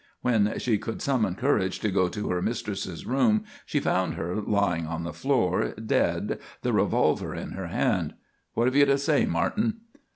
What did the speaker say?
When she could summon courage to go to her mistress's room she found her lying on the floor dead, the revolver in her hand. What have you to say, Martin?"